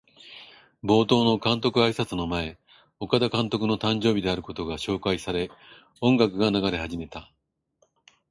冒頭の監督あいさつの前、岡田監督の誕生日であることが紹介され、音楽が流れ始めた。